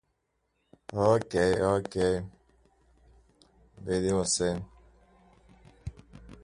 Daniel Johnston, born in California, grew up in New Cumberland.